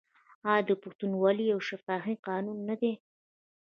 آیا پښتونولي یو شفاهي قانون نه دی؟